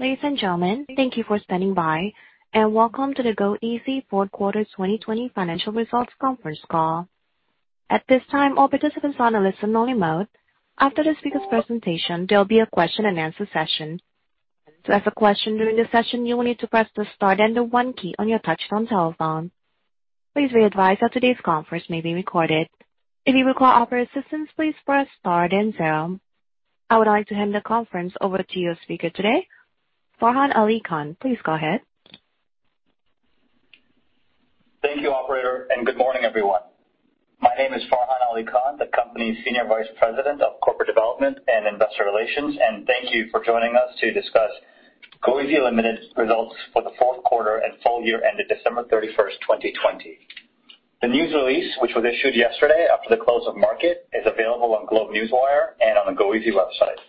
Ladies and gentlemen, thank you for standing by, and welcome to the goeasy Fourth Quarter 2020 Financial Results Conference Call. At this time, all participants are on a listen-only mode. After the speaker's presentation, there'll be a question and answer session. To ask a question during this session you will need to press the star then one key on touch-tone telephone. Please be advised that today's conference may be recorded. If you require operator assistance please press star then pound. I would like to hand the conference over to your speaker today, Farhan Ali Khan. Please go ahead. Thank you, operator, and good morning, everyone. My name is Farhan Ali Khan, the company's Senior Vice President of Corporate Development and Investor Relations. Thank you for joining us to discuss goeasy Ltd's results for the fourth quarter and full year ended December 31st, 2020. The news release, which was issued yesterday after the close of market, is available on GlobeNewswire and on the goeasy website.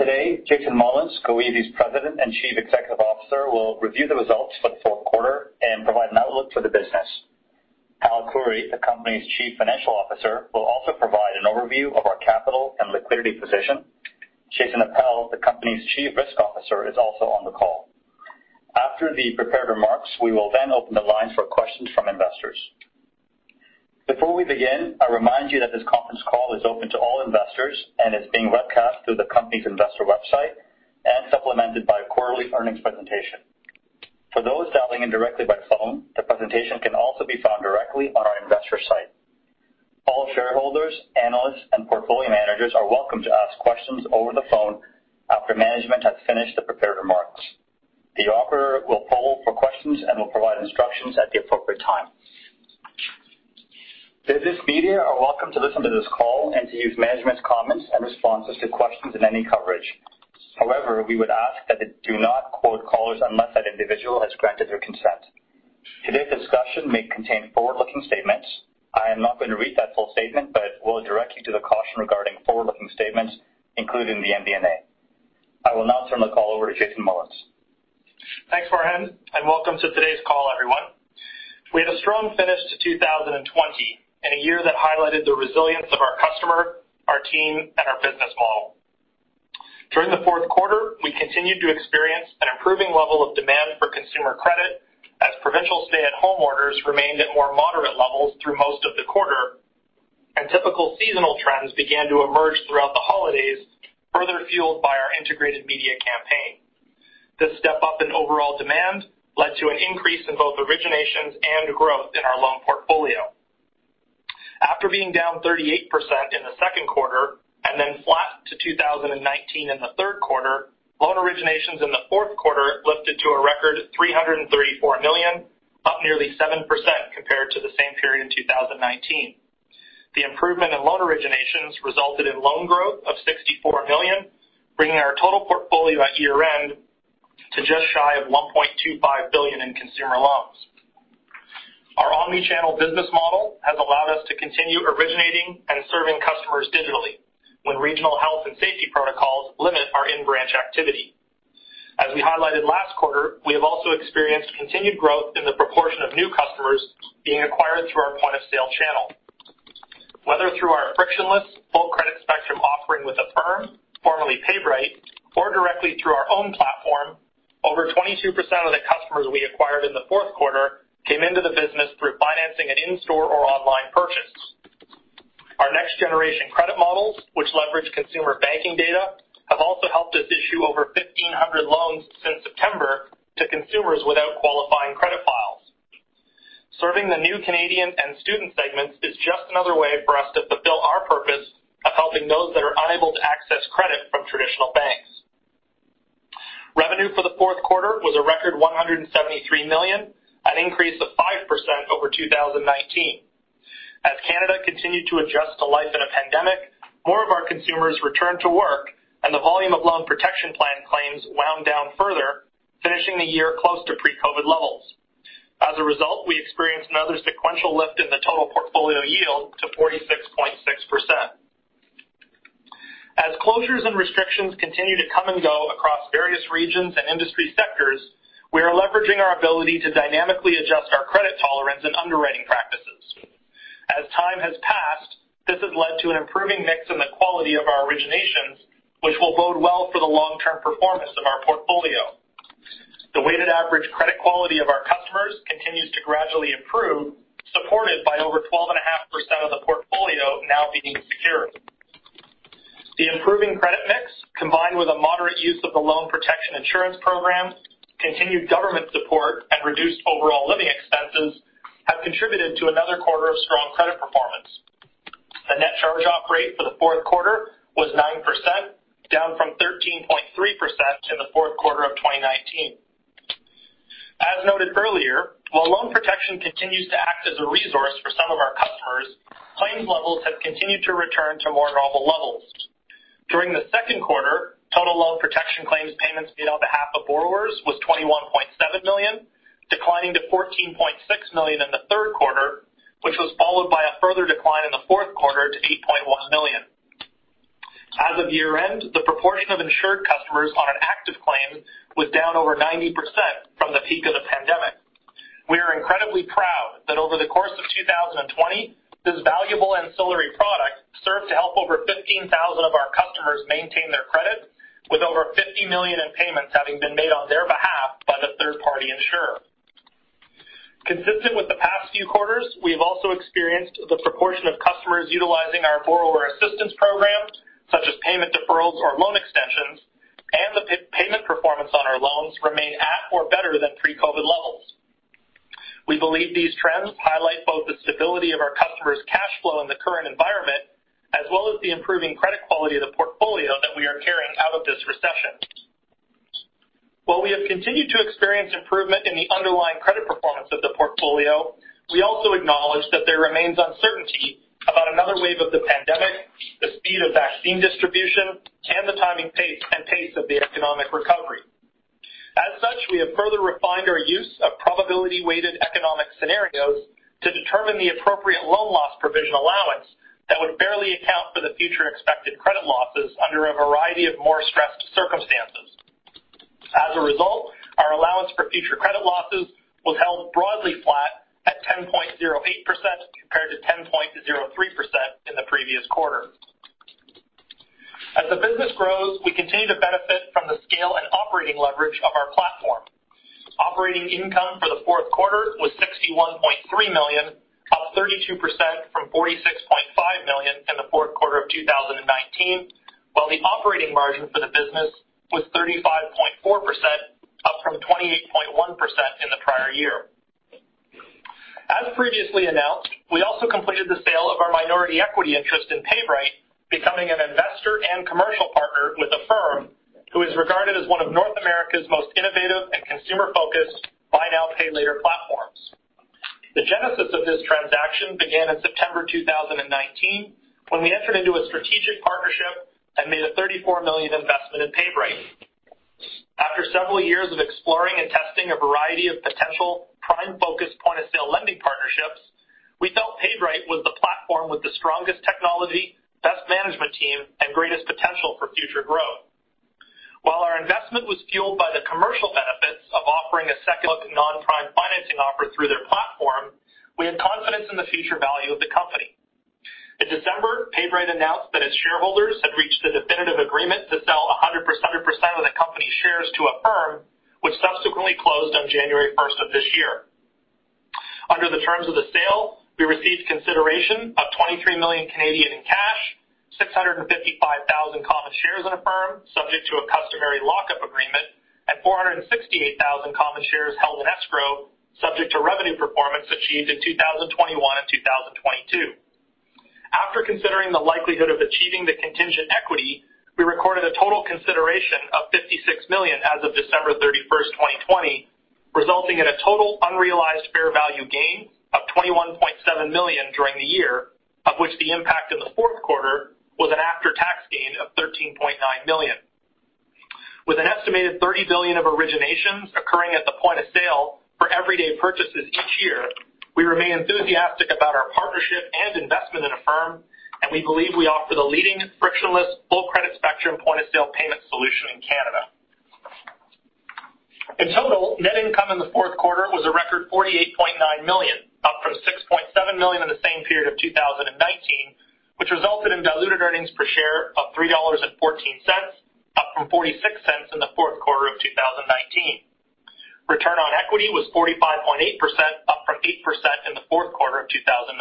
Today, Jason Mullins, goeasy's President and Chief Executive Officer, will review the results for the fourth quarter and provide an outlook for the business. Hal Khouri, the company's Chief Financial Officer, will also provide an overview of our capital and liquidity position. Jason Appel, the company's Chief Risk Officer, is also on the call. After the prepared remarks, we will then open the lines for questions from investors. Before we begin, I remind you that this conference call is open to all investors and is being webcast through the company's investor website and supplemented by a quarterly earnings presentation. For those dialing in directly by phone, the presentation can also be found directly on our investor site. All shareholders, analysts, and portfolio managers are welcome to ask questions over the phone after management has finished the prepared remarks. The operator will poll for questions and will provide instructions at the appropriate time. Business media are welcome to listen to this call and to use management's comments and responses to questions in any coverage. However, we would ask that they do not quote callers unless that individual has granted their consent. Today's discussion may contain forward-looking statements. I am not going to read that full statement, but will direct you to the caution regarding forward-looking statements, including the MD&A. I will now turn the call over to Jason Mullins. Thanks, Farhan, and welcome to today's call, everyone. We had a strong finish to 2020, and a year that highlighted the resilience of our customer, our team, and our business model. During the fourth quarter, we continued to experience an improving level of demand for consumer credit as provincial stay-at-home orders remained at more moderate levels through most of the quarter. Typical seasonal trends began to emerge throughout the holidays, further fueled by our integrated media campaign. This step-up in overall demand led to an increase in both originations and growth in our loan portfolio. After being down 38% in the second quarter and then flat to 2019 in the third quarter, loan originations in the fourth quarter lifted to a record 334 million, up nearly 7% compared to the same period in 2019. The improvement in loan originations resulted in loan growth of 64 million, bringing our total portfolio at year-end to just shy of 1.25 billion in consumer loans. Our omni-channel business model has allowed us to continue originating and serving customers digitally when regional health and safety protocols limit our in-branch activity. As we highlighted last quarter, we have also experienced continued growth in the proportion of new customers being acquired through our point-of-sale channel. Whether through our frictionless full credit spectrum offering with Affirm, formerly PayBright, or directly through our own platform, over 22% of the customers we acquired in the fourth quarter came into the business through financing an in-store or online purchase. Our next-generation credit models, which leverage consumer banking data, have also helped us issue over 1,500 loans since September to consumers without qualifying credit files. Serving the new Canadian and student segments is just another way for us to fulfill our purpose of helping those that are unable to access credit from traditional banks. Revenue for the fourth quarter was a record 173 million, an increase of 5% over 2019. As Canada continued to adjust to life in a pandemic, more of our consumers returned to work, and the volume of loan protection plan claims wound down further, finishing the year close to pre-COVID levels. As a result, we experienced another sequential lift in the total portfolio yield to 46.6%. As closures and restrictions continue to come and go across various regions and industry sectors, we are leveraging our ability to dynamically adjust our credit tolerance and underwriting practices. As time has passed, this has led to an improving mix in the quality of our originations, which will bode well for the long-term performance of our portfolio. The weighted average credit quality of our customers continues to gradually improve, supported by over 12.5% of the portfolio now being secured. The improving credit mix, combined with a moderate use of the loan protection insurance program, continued government support, and reduced overall living expenses, have contributed to another quarter of strong credit performance. The net charge-off rate for the fourth quarter was 9%, down from 13.3% in the fourth quarter of 2019. As noted earlier, while loan protection continues to act as a resource for some of our customers, claims levels have continued to return to more normal levels. During the second quarter, total loan protection claims payments made on behalf of borrowers was 21.7 million, declining to 14.6 million in the third quarter, which was followed by a further decline in the fourth quarter to 8.1 million. As of year-end, the proportion of insured customers on an active claim was down over 90% from the peak of the pandemic. Incredibly proud that over the course of 2020, this valuable ancillary product served to help over 15,000 of our customers maintain their credit, with over 50 million in payments having been made on their behalf by the third-party insurer. Consistent with the past few quarters, we have also experienced the proportion of customers utilizing our borrower assistance programs, such as payment deferrals or loan extensions, and the payment performance on our loans remain at or better than pre-COVID levels. We believe these trends highlight both the stability of our customers' cash flow in the current environment, as well as the improving credit quality of the portfolio that we are carrying out of this recession. While we have continued to experience improvement in the underlying credit performance of the portfolio, we also acknowledge that there remains uncertainty about another wave of the pandemic, the speed of vaccine distribution, and the timing pace and pace of the economic recovery. As such, we have further refined our use of probability-weighted economic scenarios to determine the appropriate loan loss provision allowance that would barely account for the future expected credit losses under a variety of more stressed circumstances. As a result, our allowance for future credit losses was held broadly flat at 10.08% compared to 10.03% in the previous quarter. As the business grows, we continue to benefit from the scale and operating leverage of our platform. Operating income for the fourth quarter was 61.3 million, up 32% from 46.5 million in the fourth quarter of 2019. While the operating margin for the business was 35.4%, up from 28.1% in the prior year. As previously announced, we also completed the sale of our minority equity interest in PayBright, becoming an investor and commercial partner with Affirm, who is regarded as one of North America's most innovative and consumer-focused buy now, pay later platforms. The genesis of this transaction began in September 2019 when we entered into a strategic partnership and made a 34 million investment in PayBright. After several years of exploring and testing a variety of potential prime-focused point-of-sale lending partnerships, we felt PayBright was the platform with the strongest technology, best management team, and greatest potential for future growth. While our investment was fueled by the commercial benefits of offering a second non-prime financing offer through their platform, we have confidence in the future value of the company. In December, PayBright announced that its shareholders had reached a definitive agreement to sell 100% of the company's shares to Affirm, which subsequently closed on January 1st of this year. Under the terms of the sale, we received consideration of 23 million in cash, 655,000 common shares in Affirm subject to a customary lock-up agreement, and 468,000 common shares held in escrow subject to revenue performance achieved in 2021 and 2022. After considering the likelihood of achieving the contingent equity, we recorded a total consideration of 56 million as of December 31st, 2020, resulting in a total unrealized fair value gain of 21.7 million during the year, of which the impact in the fourth quarter was an after-tax gain of 13.9 million. With an estimated 30 billion of originations occurring at the point of sale for everyday purchases each year, we remain enthusiastic about our partnership and investment in Affirm, and we believe we offer the leading frictionless, full credit spectrum, point-of-sale payment solution in Canada. In total, net income in the fourth quarter was a record 48.9 million, up from 6.7 million in the same period of 2019, which resulted in diluted earnings per share of 3.14 dollars, up from 0.46 in the fourth quarter of 2019. Return on equity was 45.8%, up from 8% in the fourth quarter of 2019.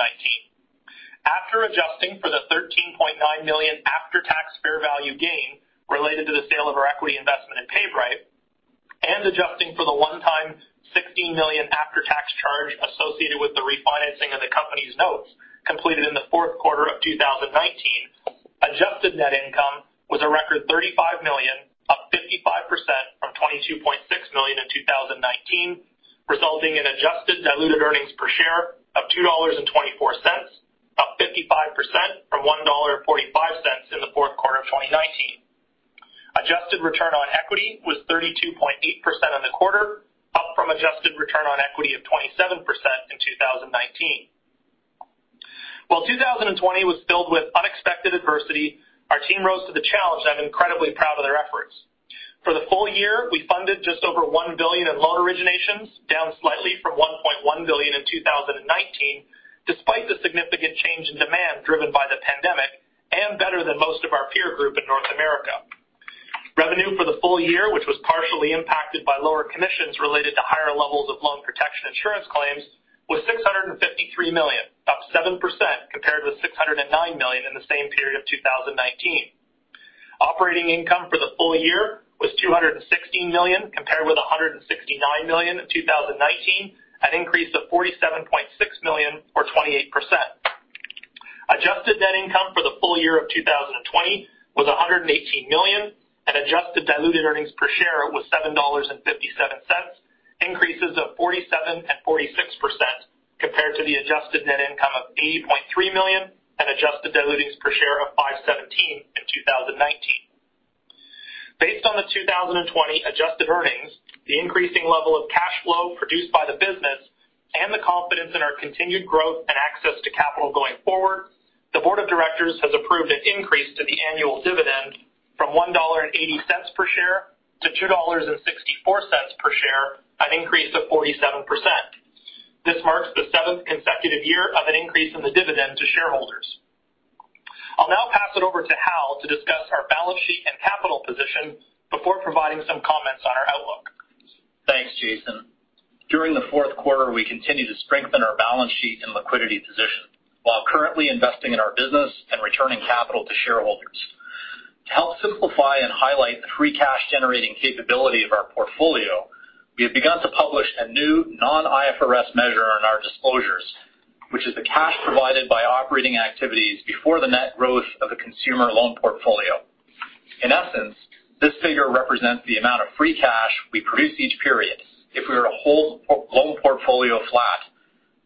After adjusting for the 13.9 million after-tax fair value gain related to the sale of our equity investment in PayBright and adjusting for the one-time 16 million after-tax charge associated with the refinancing of the company's notes completed in the fourth quarter of 2019, adjusted net income was a record 35 million, up 55% from 22.6 million in 2019, resulting in adjusted diluted earnings per share of 2.24 dollars, up 55% from 1.45 dollar in the fourth quarter of 2019. Adjusted return on equity was 32.8% in the quarter, up from adjusted return on equity of 27% in 2019. While 2020 was filled with unexpected adversity, our team rose to the challenge, and I'm incredibly proud of their efforts. For the full year, we funded just over 1 billion in loan originations, down slightly from 1.1 billion in 2019, despite the significant change in demand driven by the pandemic and better than most of our peer group in North America. Revenue for the full year, which was partially impacted by lower commissions related to higher levels of loan protection insurance claims, was 653 million, up 7% compared with 609 million in the same period of 2019. Operating income for the full year was 216 million, compared with 169 million in 2019, an increase of 47.6 million or 28%. Adjusted net income for the full year of 2020 was 118 million and adjusted diluted earnings per share was 7.57 dollars, increases of 47% and 46% compared to the adjusted net income of CAD 8.3 million and adjusted diluted earnings per share of 5.17 in 2019. Based on the 2020 adjusted earnings, the increasing level of cash flow produced by the business, and the confidence in our continued growth and access to capital going forward, the board of directors has approved an increase to the annual dividend from 1.80 dollar per share to 2.64 dollars per share, an increase of 47%. This marks the seventh consecutive year of an increase in the dividend to shareholders. I'll now pass it over to Hal to discuss our balance sheet and capital position before providing some comments on our outlook. Thanks, Jason. During the fourth quarter, we continued to strengthen our balance sheet and liquidity position, while currently investing in our business and returning capital to shareholders. To help simplify and highlight the free cash generating capability of our portfolio, we have begun to publish a new non-IFRS measure in our disclosures, which is the cash provided by operating activities before the net growth of the consumer loan portfolio. In essence, this figure represents the amount of free cash we produce each period if we were to hold loan portfolio flat.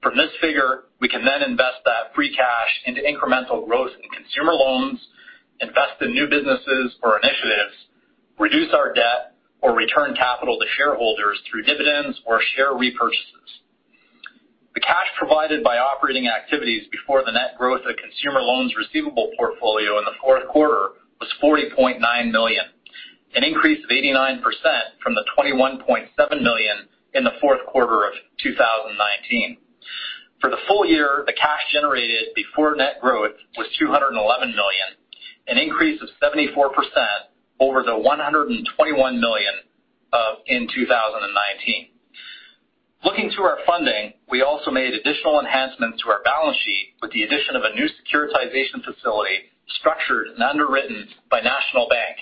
From this figure, we can invest that free cash into incremental growth in consumer loans, invest in new businesses or initiatives, reduce our debt, or return capital to shareholders through dividends or share repurchases. The cash provided by operating activities before the net growth of consumer loans receivable portfolio in the fourth quarter was 40.9 million, an increase of 89% from the 21.7 million in the fourth quarter of 2019. For the full year, the cash generated before net growth was 211 million, an increase of 74% over the 121 million in 2019. Looking to our funding, we also made additional enhancements to our balance sheet with the addition of a new securitization facility structured and underwritten by National Bank.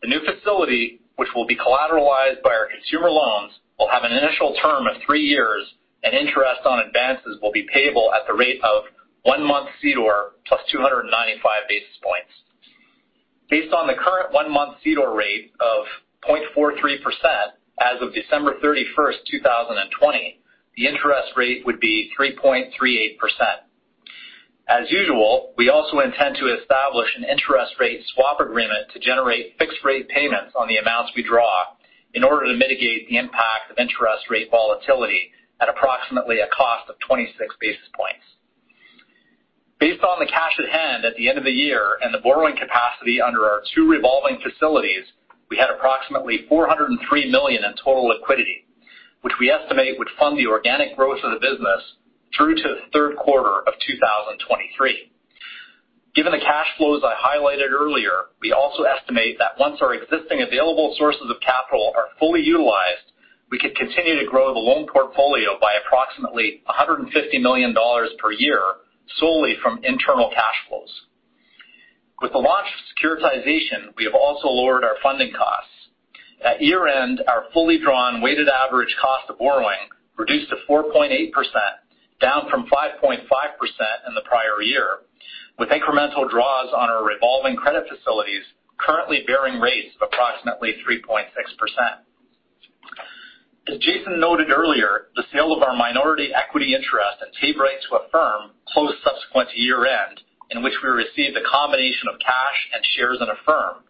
The new facility, which will be collateralized by our consumer loans, will have an initial term of three years, and interest on advances will be payable at the rate of one-month CDOR plus 295 basis points. Based on the current one-month CDOR rate of 0.43% as of December 31st, 2020, the interest rate would be 3.38%. As usual, we also intend to establish an interest rate swap agreement to generate fixed rate payments on the amounts we draw in order to mitigate the impact of interest rate volatility at approximately a cost of 26 basis points. Based on the cash at hand at the end of the year and the borrowing capacity under our two revolving facilities, we had approximately 403 million in total liquidity, which we estimate would fund the organic growth of the business through to the third quarter of 2023. Given the cash flows I highlighted earlier, we also estimate that once our existing available sources of capital are fully utilized, we could continue to grow the loan portfolio by approximately 150 million dollars per year solely from internal cash flows. With the launch of securitization, we have also lowered our funding costs. At year-end, our fully drawn weighted average cost of borrowing reduced to 4.8%, down from 5.5% in the prior year, with incremental draws on our revolving credit facilities currently bearing rates of approximately 3.6%. As Jason noted earlier, the sale of our minority equity interest at PayBright to Affirm closed subsequent to year-end, in which we received a combination of cash and shares in Affirm,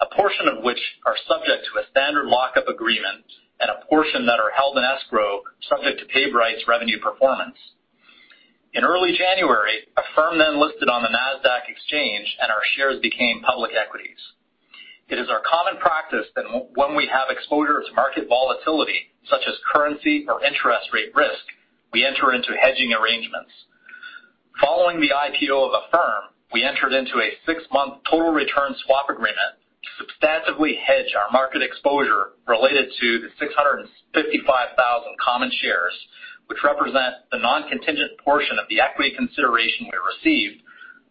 a portion of which are subject to a standard lock-up agreement and a portion that are held in escrow subject to PayBright's revenue performance. In early January, Affirm then listed on the Nasdaq Exchange, and our shares became public equities. It is our common practice that when we have exposure to market volatility, such as currency or interest rate risk, we enter into hedging arrangements. Following the IPO of Affirm, we entered into a six-month total return swap agreement to substantively hedge our market exposure related to the 655,000 common shares, which represent the non-contingent portion of the equity consideration we received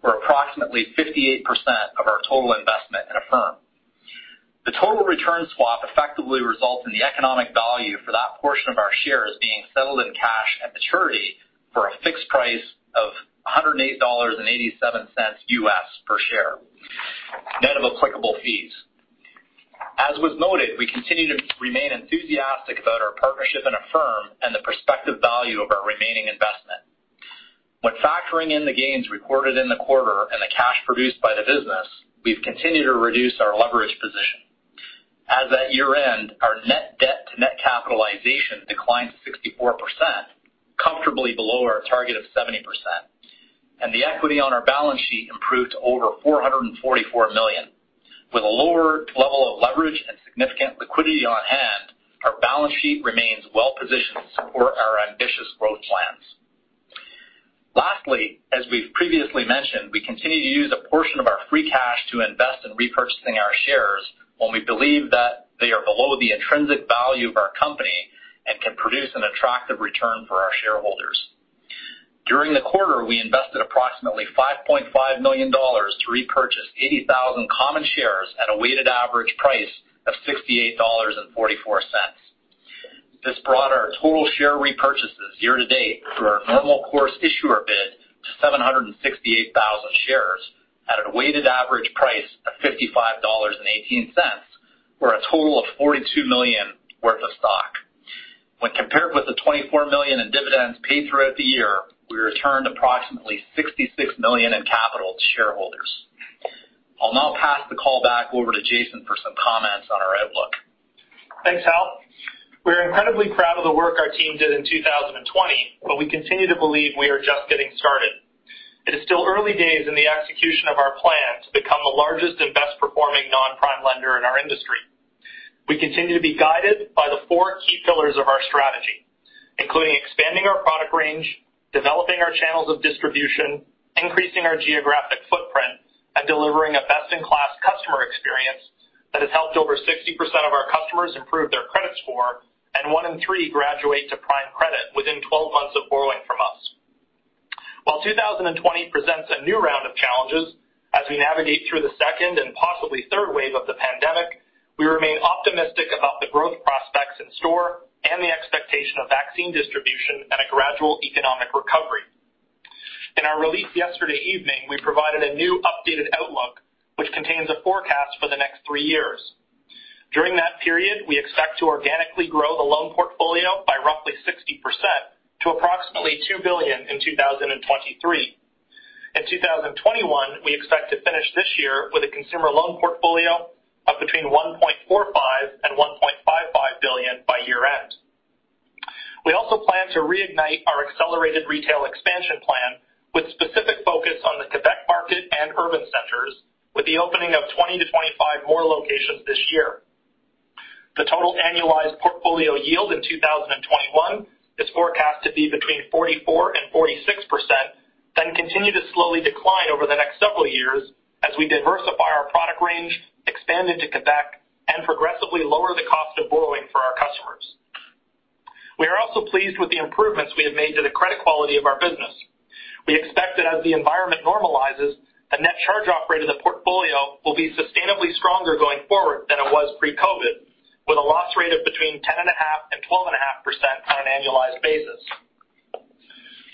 or approximately 58% of our total investment in Affirm. The total return swap effectively results in the economic value for that portion of our shares being settled in cash at maturity for a fixed price of $108.87 U.S. per share, net of applicable fees. As was noted, we continue to remain enthusiastic about our partnership in Affirm and the prospective value of our remaining investment. When factoring in the gains recorded in the quarter and the cash produced by the business, we've continued to reduce our leverage position as at year-end, our net debt to net capitalization declined 64%, comfortably below our target of 70%, and the equity on our balance sheet improved to over 444 million. With a lower level of leverage and significant liquidity on hand, our balance sheet remains well-positioned to support our ambitious growth plans. Lastly, as we've previously mentioned, we continue to use a portion of our free cash to invest in repurchasing our shares when we believe that they are below the intrinsic value of our company and can produce an attractive return for our shareholders. During the quarter, we invested approximately 5.5 million dollars to repurchase 80,000 common shares at a weighted average price of 68.44 dollars. This brought our total share repurchases year to date through our normal course issuer bid to 768,000 shares at a weighted average price of 55.18 dollars, or a total of 42 million worth of stock. When compared with the 24 million in dividends paid throughout the year, we returned approximately 66 million in capital to shareholders. I'll now pass the call back over to Jason for some comments on our outlook. Thanks, Hal. We're incredibly proud of the work our team did in 2020, but we continue to believe we are just getting started. It is still early days in the execution of our plan to become the largest and best-performing non-prime lender in our industry. We continue to be guided by the four key pillars of our strategy, including expanding our product range, developing our channels of distribution, increasing our geographic footprint, and delivering a best-in-class customer experience that has helped over 60% of our customers improve their credit score and one in three graduate to prime credit within 12 months of borrowing from us. While 2020 presents a new round of challenges, as we navigate through the second and possibly third wave of the pandemic, we remain optimistic about the growth prospects in store and the expectation of vaccine distribution and a gradual economic recovery. In our release yesterday evening, we provided a new updated outlook, which contains a forecast for the next three years. During that period, we expect to organically grow the loan portfolio by roughly 60% to approximately 2 billion in 2023. In 2021, we expect to finish this year with a consumer loan portfolio of between 1.45 billion and 1.55 billion by year-end. We also plan to reignite our accelerated retail expansion plan with specific focus on the Quebec market and urban centers, with the opening of 20-25 more locations this year. The total annualized portfolio yield in 2021 is forecast to be between 44% and 46%, then continue to slowly decline over the next several years as we diversify our product range, expand into Quebec, and progressively lower the cost of borrowing for our customers. We are also pleased with the improvements we have made to the credit quality of our business. We expect that as the environment normalizes, the net charge-off rate of the portfolio will be sustainably stronger going forward than it was pre-COVID, with a loss rate of between 10.5% and 12.5% on an annualized basis.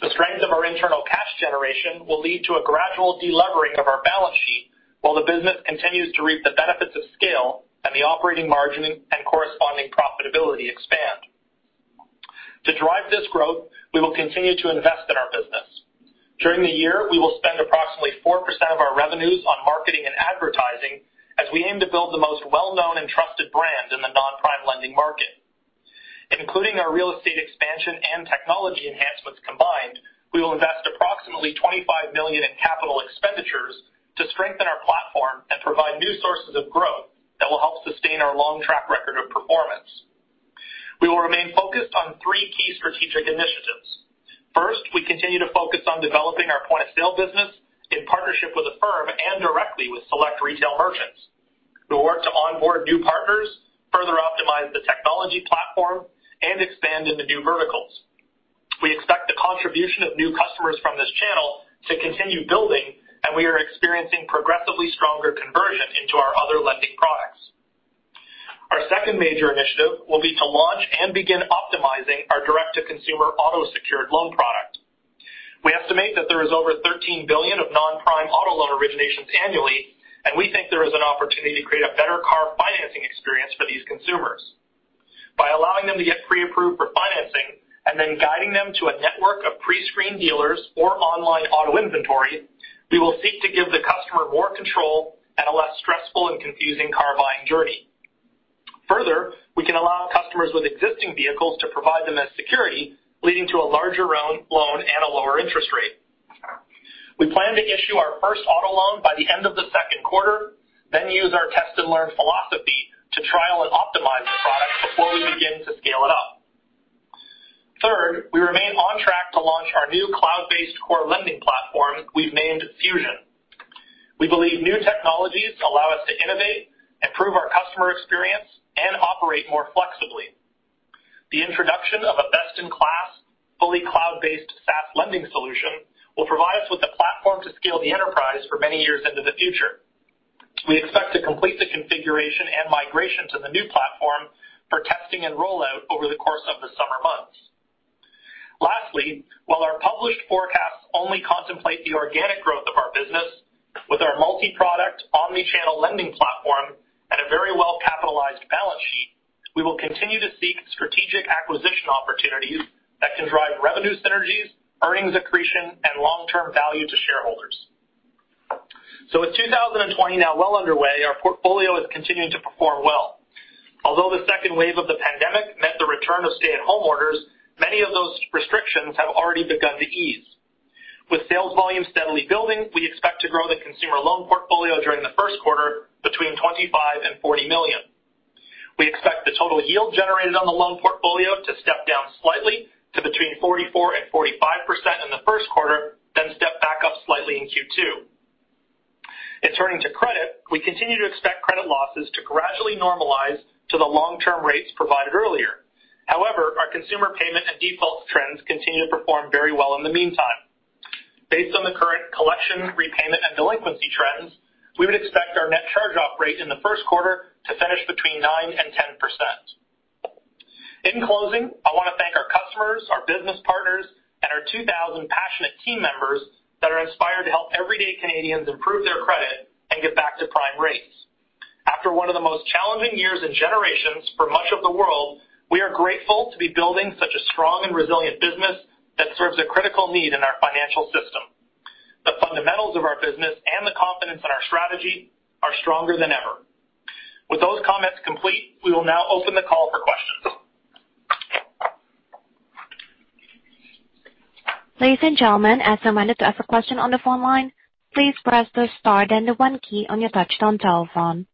The strength of our internal cash generation will lead to a gradual de-levering of our balance sheet while the business continues to reap the benefits of scale and the operating margin and corresponding profitability expand. To drive this growth, we will continue to invest in our business. During the year, we will spend approximately 4% of our revenues on marketing and advertising as we aim to build the most well-known and trusted brand in the non-prime lending market. Including our real estate expansion and technology enhancements combined, we will invest approximately 25 million in capital expenditures to strengthen our platform and provide new sources of growth that will help sustain our long track record of performance. We will remain focused on three key strategic initiatives. First, we continue to focus on developing our point-of-sale business in partnership with Affirm and directly with select retail merchants, who work to onboard new partners, further optimize the technology platform, and expand into new verticals. We expect the contribution of new customers from this channel to continue building, and we are experiencing progressively stronger conversion into our other lending products. Our second major initiative will be to launch and begin optimizing our direct-to-consumer auto-secured loan product. We estimate that there is over 13 billion of non-prime auto loan originations annually. We think there is an opportunity to create a better car financing experience for these consumers. By allowing them to get pre-approved for financing and then guiding them to a network of pre-screened dealers or online auto inventory, we will seek to give the customer more control and a less stressful and confusing car-buying journey. We can allow customers with existing vehicles to provide them as security, leading to a larger loan and a lower interest rate. We plan to issue our first auto loan by the end of the second quarter, then use our test and learn philosophy to trial and optimize the product before we begin to scale it up. Third, we remain on track to launch our new cloud-based core lending platform we've named Fusion. We believe new technologies allow us to innovate, improve our customer experience, and operate more flexibly. The introduction of a best-in-class, fully cloud-based SaaS lending solution will provide us with the platform to scale the enterprise for many years into the future. We expect to complete the configuration and migration to the new platform for testing and rollout over the course of the summer months. Lastly, while our published forecasts only contemplate the organic growth of our business, with our multi-product, omni-channel lending platform and a very well-capitalized balance sheet, we will continue to seek strategic acquisition opportunities that can drive revenue synergies, earnings accretion, and long-term value to shareholders. With 2020 now well underway, our portfolio is continuing to perform well. Although the second wave of the pandemic meant the return of stay-at-home orders, many of those restrictions have already begun to ease. With sales volume steadily building, we expect to grow the consumer loan portfolio during the first quarter between 25 million and 40 million. We expect the total yield generated on the loan portfolio to step down slightly to between 44% and 45% in the first quarter, then step back up slightly in Q2. In turning to credit, we continue to expect credit losses to gradually normalize to the long-term rates provided earlier. However, our consumer payment and default trends continue to perform very well in the meantime. Based on the current collection, repayment, and delinquency trends, we would expect our net charge-off rate in the first quarter to finish between 9% and 10%. In closing, I want to thank our customers, our business partners, and our 2,000 passionate team members that are inspired to help everyday Canadians improve their credit and get back to prime rates. After one of the most challenging years in generations for much of the world, we are grateful to be building such a strong and resilient business that serves a critical need in our financial system. The fundamentals of our business and the confidence in our strategy are stronger than ever. With those comments complete, we will now open the call for questions. Ladies and gentlemen, as a reminder, to ask a question on the phone line, please press the star then the one key on your touch-tone telephone.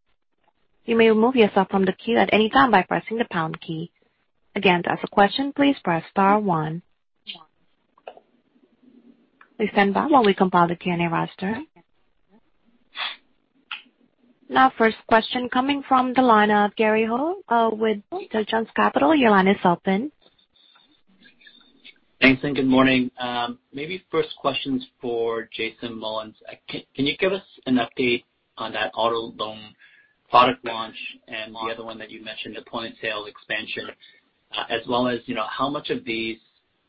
You may remove yourself from the queue at any time by pressing the pound key. Again, to ask a question, please press star one. Please stand by while we compile the Q&A roster. First question coming from the line of Gary Ho with Desjardins Capital. Your line is open. Thanks, and good morning. Maybe first questions for Jason Mullins. Can you give us an update on that auto loan product launch and the other one that you mentioned, the point-of-sale expansion, as well as how much of these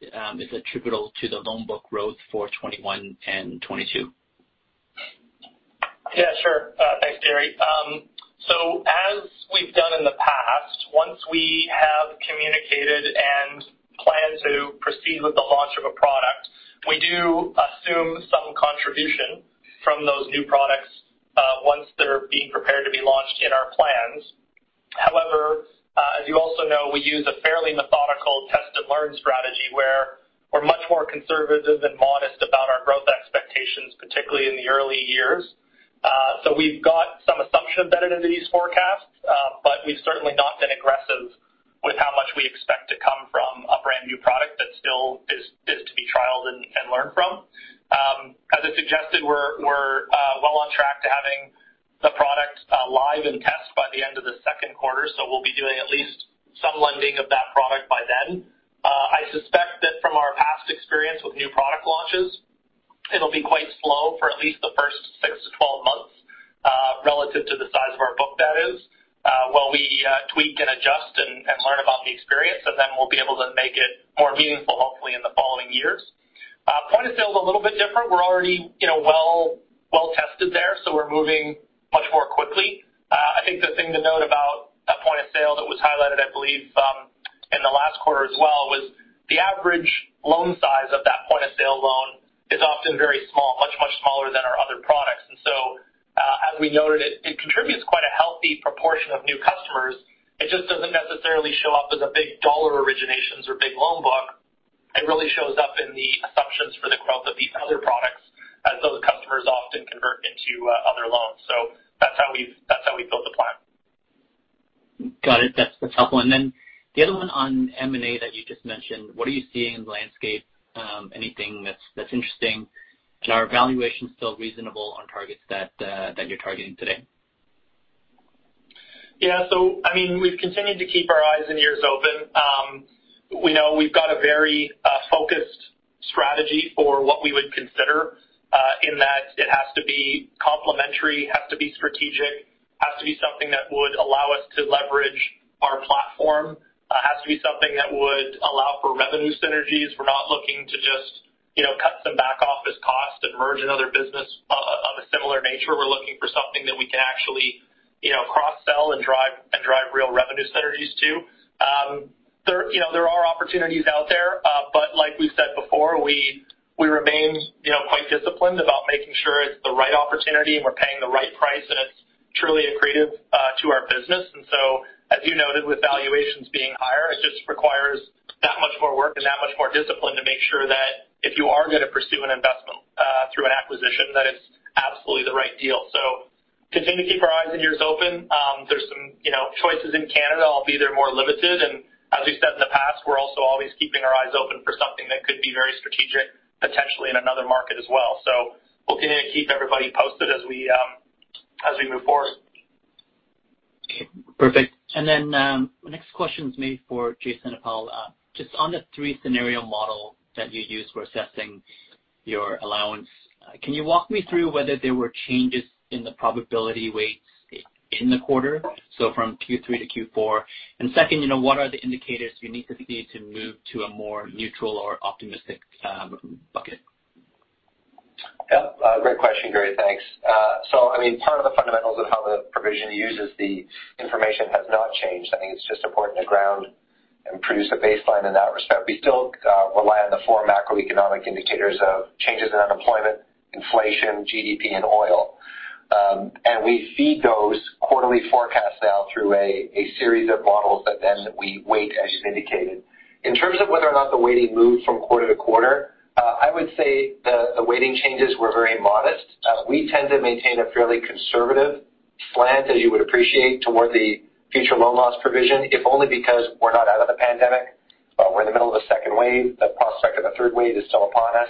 is attributable to the loan book growth for 2021 and 2022? Yeah, sure. Thanks, Gary. As we've done in the past, once we have communicated and plan to proceed with the launch of a product, we do assume some contribution from those new products once they're being prepared to be launched in our plans. However, as you also know, we use a fairly methodical test and learn strategy where we're much more conservative and modest about our growth expectations, particularly in the early years. We've got some assumption embedded into these forecasts, but we've certainly not been aggressive with how much we expect to come from a brand-new product that still is to be trialed and learned from. As I suggested, we're well on track to having the product live and test by the end of the second quarter, so we'll be doing at least some lending of that product by then. I suspect that from our past experience with new product launches, it'll be quite slow for at least the first 6-12 months relative to the size of our book that is, while we tweak and adjust and learn about the experience, then we'll be able to make it more meaningful hopefully in the following years. Point-of-sale is a little bit different. We're already well tested there, we're moving much more quickly. I think the thing to note about that point-of-sale that was highlighted, I believe, in the last quarter as well was the average loan size of that point-of-sale loan is often very small, much, much smaller than our other products. As we noted, it contributes quite a healthy proportion of new customers. It just doesn't necessarily show up as a big dollar originations or big loan book. It really shows up in the assumptions for the growth of these other products as those customers often convert into other loans. That's how we've built the plan. Got it. That's helpful. The other one on M&A that you just mentioned, what are you seeing in the landscape? Anything that's interesting? Are valuations still reasonable on targets that you're targeting today? Yeah. We've continued to keep our eyes and ears open. We know we've got a very focused strategy for what we would consider in that it has to be complementary, has to be strategic, has to be something that would allow us to leverage our platform, has to be something that would allow for revenue synergies. We're not looking to just cut some back office costs and merge another business of a similar nature. We're looking for something that we can actually cross-sell and drive real revenue synergies too. There are opportunities out there. Like we said before, we remain quite disciplined about making sure it's the right opportunity and we're paying the right price and it's truly accretive to our business. As you noted, with valuations being higher, it just requires that much more work and that much more discipline to make sure that if you are going to pursue an investment through an acquisition, that it's absolutely the right deal. Continue to keep our eyes and ears open. There's some choices in Canada, albeit they're more limited. As we've said in the past, we're also always keeping our eyes open for something that could be very strategic, potentially in another market as well. We'll continue to keep everybody posted as we move forward. Okay, perfect. Next question is maybe for Jason or Hal. Just on the three-scenario model that you use for assessing your allowance, can you walk me through whether there were changes in the probability weights in the quarter, so from Q3 to Q4? Second, what are the indicators you need to see to move to a more neutral or optimistic bucket? Yep. Great question, Gary. Thanks. Part of the fundamentals of how the provision uses the information has not changed. I think it's just important to ground and produce a baseline in that respect. We still rely on the four macroeconomic indicators of changes in unemployment, inflation, GDP, and oil. We feed those quarterly forecasts now through a series of models that then we weight, as you indicated. In terms of whether or not the weighting moved from quarter to quarter, I would say the weighting changes were very modest. We tend to maintain a fairly conservative slant, as you would appreciate, toward the future loan loss provision, if only because we're not out of the pandemic. We're in the middle of a second wave. The prospect of a third wave is still upon us.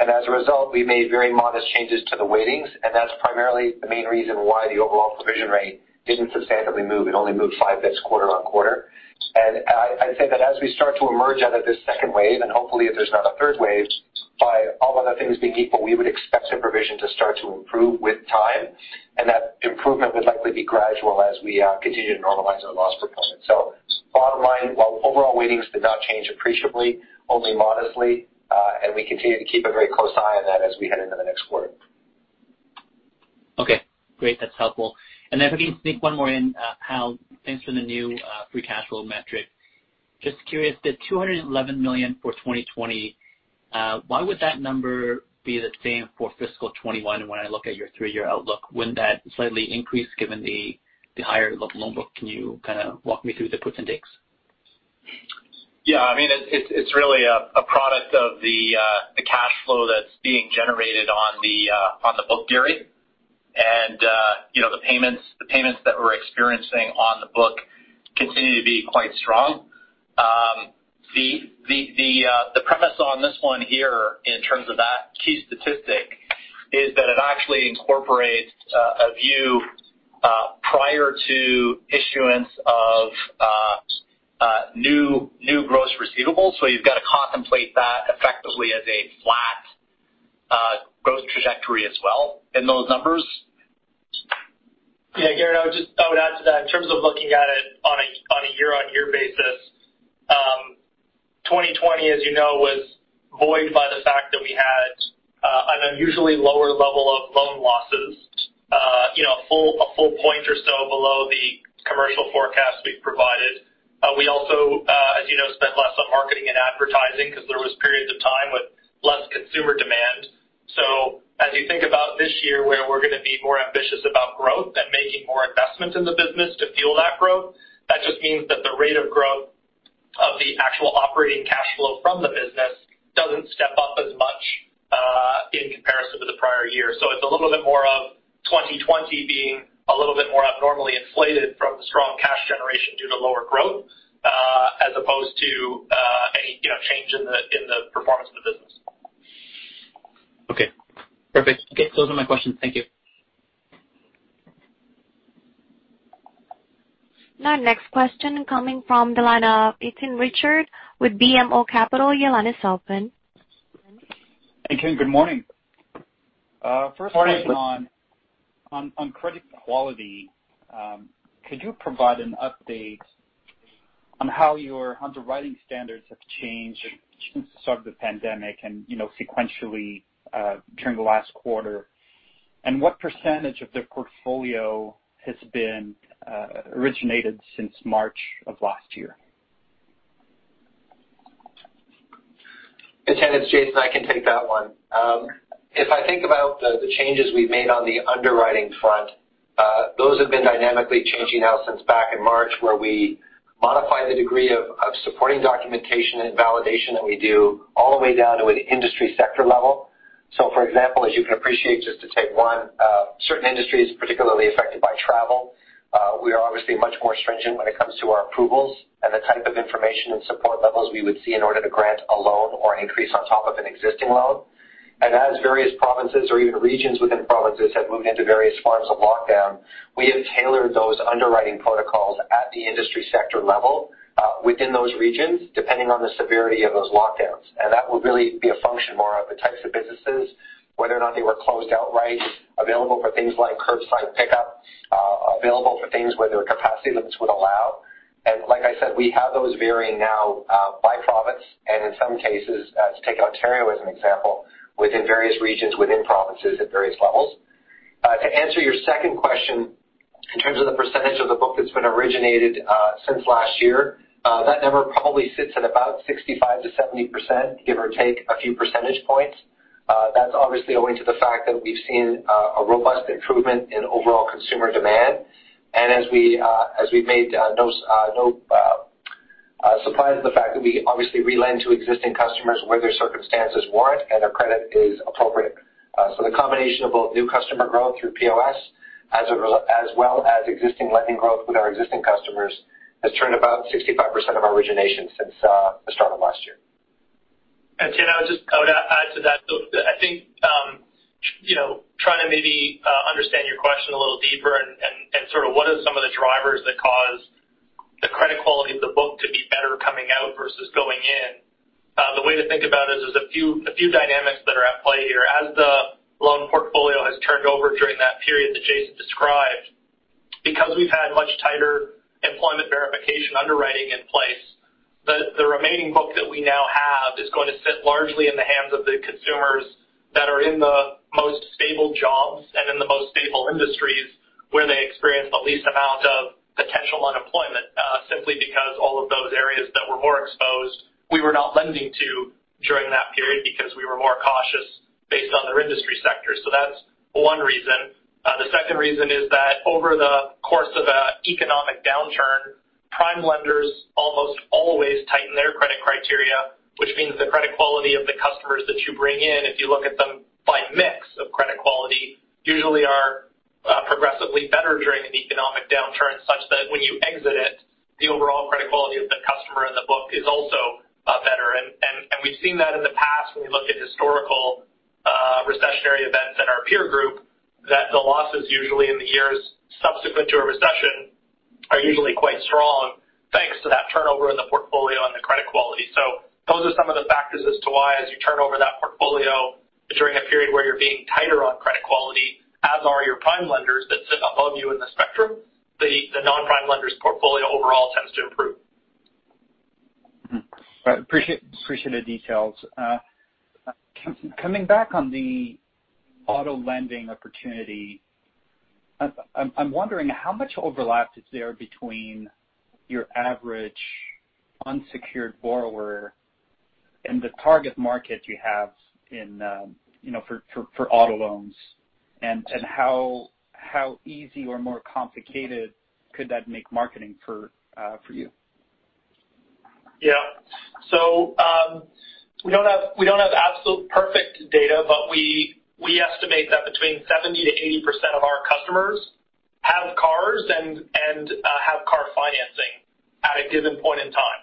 As a result, we made very modest changes to the weightings, and that's primarily the main reason why the overall provision rate didn't substantially move. It only moved five basis points quarter-over-quarter. I'd say that as we start to emerge out of this second wave, and hopefully if there's not a third wave, by all other things being equal, we would expect the provision to start to improve with time, and that improvement would likely be gradual as we continue to normalize our loss propensities. Bottom line, while overall weightings did not change appreciably, only modestly, and we continue to keep a very close eye on that as we head into the next quarter. Okay, great. That's helpful. If I can sneak one more in, Hal, thanks for the new free cash flow metric. Just curious, the 211 million for 2020? Why would that number be the same for fiscal 2021 when I look at your three-year outlook? Wouldn't that slightly increase given the higher loan book? Can you kind of walk me through the puts and takes? Yeah. It's really a product of the cash flow that's being generated on the book, Gary. The payments that we're experiencing on the book continue to be quite strong. The premise on this one here, in terms of that key statistic, is that it actually incorporates a view prior to issuance of new gross receivables. You've got to contemplate that effectively as a flat growth trajectory as well in those numbers. Yeah. Gary, I would add to that. In terms of looking at it on a year-on-year basis, 2020, as you know, was buoyed by the fact that we had an unusually lower level of loan losses, a full point or so below the commercial forecast we've provided. We also, as you know, spent less on marketing and advertising because there was periods of time with less consumer demand. As you think about this year, where we're going to be more ambitious about growth and making more investments in the business to fuel that growth, that just means that the rate of growth of the actual operating cash flow from the business doesn't step up as much in comparison to the prior year. It's a little bit more of 2020 being a little bit more abnormally inflated from the strong cash generation due to lower growth, as opposed to any change in the performance of the business. Okay, perfect. Those are my questions. Thank you. Now next question coming from the line of Étienne Ricard with BMO Capital. Your line is open. Hey, Jason. Good morning. Morning. First question on credit quality. Could you provide an update on how your underwriting standards have changed since the start of the pandemic and sequentially during the last quarter? What percentage of the portfolio has been originated since March of last year? Étienne, it's Jason. I can take that one. If I think about the changes we've made on the underwriting front, those have been dynamically changing now since back in March, where we modified the degree of supporting documentation and validation that we do all the way down to an industry sector level. For example, as you can appreciate, just to take one, certain industries particularly affected by travel, we are obviously much more stringent when it comes to our approvals and the type of information and support levels we would see in order to grant a loan or an increase on top of an existing loan. As various provinces or even regions within provinces have moved into various forms of lockdown, we have tailored those underwriting protocols at the industry sector level within those regions, depending on the severity of those lockdowns. That would really be a function more of the types of businesses, whether or not they were closed outright, available for things like curbside pickup, available for things where their capacity limits would allow. Like I said, we have those varying now by province and in some cases, to take Ontario as an example, within various regions within provinces at various levels. To answer your second question, in terms of the percentage of the book that's been originated since last year, that number probably sits at about 65%-70%, give or take a few percentage points. That's obviously owing to the fact that we've seen a robust improvement in overall consumer demand. As we've made no surprise to the fact that we obviously re-lend to existing customers where their circumstances warrant and their credit is appropriate. The combination of both new customer growth through POS, as well as existing lending growth with our existing customers, has turned about 65% of our origination since the start of last year. Jason, I would add to that. I think, trying to maybe understand your question a little deeper and sort of what are some of the drivers that cause the credit quality of the book to be better coming out versus going in. The way to think about it is there's a few dynamics that are at play here. As the loan portfolio has turned over during that period that Jason described, because we've had much tighter employment verification underwriting in place, the remaining book that we now have is going to sit largely in the hands of the consumers that are in the most stable jobs and in the most stable industries where they experience the least amount of potential unemployment. Simply because all of those areas that were more exposed, we were not lending to during that period because we were more cautious based on their industry sector. That's one reason. The second reason is that over the course of a economic downturn, prime lenders almost always tighten their credit criteria. Which means the credit quality of the customers that you bring in, if you look at them by mix of credit quality, usually are progressively better during an economic downturn such that when you exit it, the overall credit quality of the customer in the book is also better. We've seen that in the past when we look at historical recessionary events in our peer group, that the losses usually in the years subsequent to a recession are usually quite strong, thanks to that turnover in the portfolio and the credit quality. Those are some of the factors as to why, as you turn over that portfolio during a period where you're being tighter on credit quality, as are your prime lenders that sit above you in the spectrum, the non-prime lender's portfolio overall tends to improve. I appreciate the details. Coming back on the auto lending opportunity, I'm wondering how much overlap is there between your average unsecured borrower and the target market you have for auto loans, and how easy or more complicated could that make marketing for you? We don't have absolute perfect data, but we estimate that between 70%-80% of our customers have cars and have car financing at a given point in time.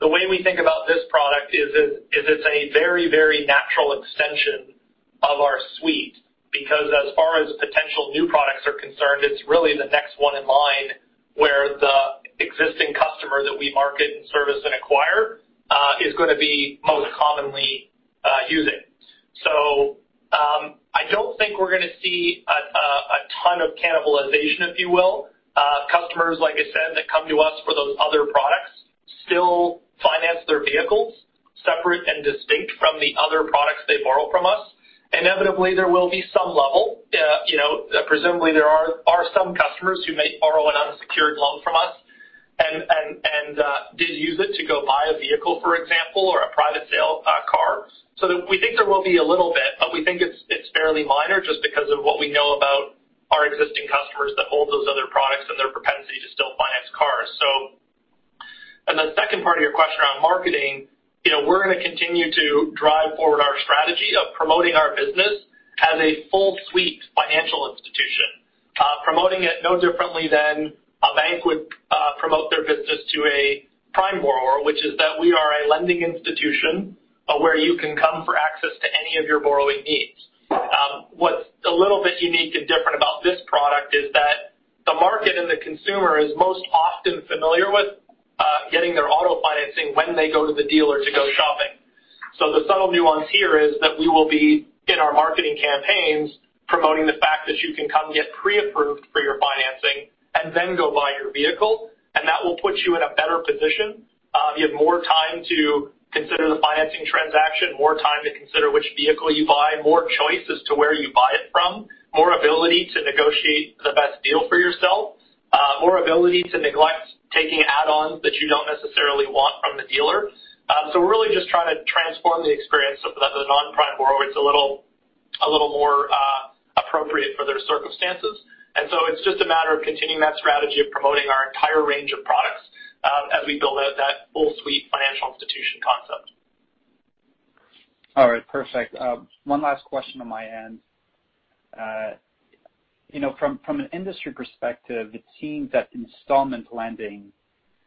The way we think about this product is it's a very natural extension of our suite because as far as potential new products are concerned, it's really the next one in line where the existing customer that we market and service and acquire is going to be most commonly using. I don't think we're going to see a ton of cannibalization, if you will. Customers, like I said, that come to us for those other products still finance their vehicles separate and distinct from the other products they borrow from us. Inevitably, there will be some level. Presumably, there are some customers who may borrow an unsecured loan from us and did use it to go buy a vehicle, for example, or a private sale car. We think there will be a little bit, but we think it's fairly minor just because of what we know about our existing customers that hold those other products and their propensity to still finance cars. The second part of your question on marketing, we're going to continue to drive forward our strategy of promoting our business as a full suite financial institution. Promoting it no differently than a bank would promote their business to a prime borrower which is that we are a lending institution where you can come for access to any of your borrowing needs. What's a little bit unique and different about this product is that the market and the consumer is most often familiar with getting their auto financing when they go to the dealer to go shopping. The subtle nuance here is that we will be in our marketing campaigns promoting the fact that you can come get pre-approved for your financing and then go buy your vehicle, and that will put you in a better position. You have more time to consider the financing transaction, more time to consider which vehicle you buy, more choice as to where you buy it from, more ability to negotiate the best deal for yourself, more ability to neglect taking add-ons that you don't necessarily want from the dealer. We're really just trying to transform the experience so for the non-prime borrower it's a little more appropriate for their circumstances. It's just a matter of continuing that strategy of promoting our entire range of products as we build out that full suite financial institution concept. All right. Perfect. One last question on my end. From an industry perspective, it seems that installment lending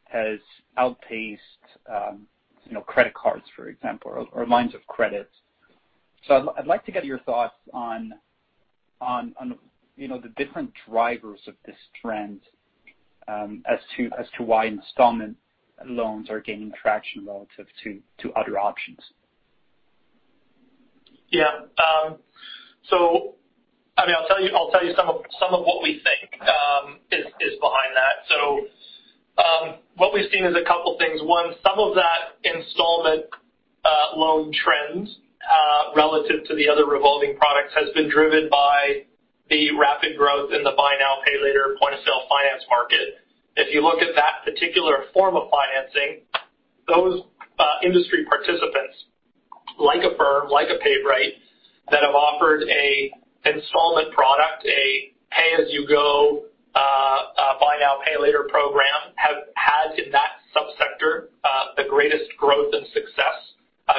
has outpaced credit cards, for example, or lines of credit. I'd like to get your thoughts on the different drivers of this trend as to why installment loans are gaining traction relative to other options. Yeah. I mean, I'll tell you some of what we think is behind that. What we've seen is a couple things. One, some of that installment loan trend relative to the other revolving products has been driven by the rapid growth in the buy now, pay later point-of-sale finance market. If you look at that particular form of financing, those industry participants, like Affirm, like a PayBright, that have offered a installment product, a pay-as-you-go buy now, pay later program has in that subsector the greatest growth and success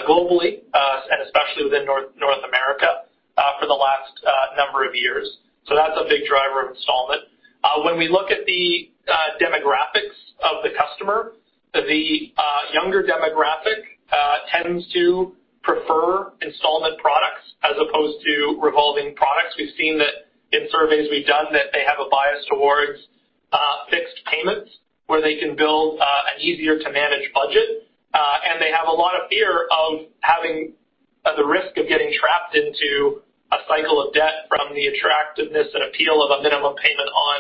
globally, and especially within North America for the last number of years. That's a big driver of installment. When we look at the demographics of the customer, the younger demographic tends to prefer installment products as opposed to revolving products. We've seen that in surveys we've done that they have a bias towards fixed payments where they can build an easier-to-manage budget. They have a lot of fear of having the risk of getting trapped into a cycle of debt from the attractiveness and appeal of a minimum payment on